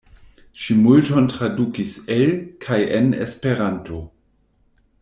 Ŝi multon tradukis el kaj en Esperanto.